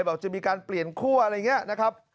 บอกจะมีการเปลี่ยนคั่วอะไรอย่างนี้นะครับ